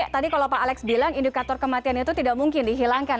tadi kalau pak alex bilang indikator kematian itu tidak mungkin dihilangkan